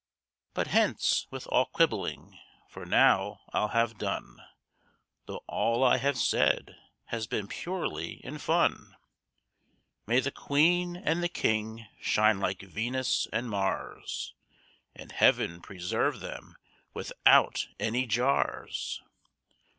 But hence with all quibbling, for now I'll have done, Though all I have said has been purely in fun; May the Queen and the King shine like Venus and Mars, And heaven preserve them without any jars!